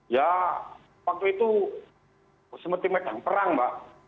ya waktu itu seperti megang perang mbak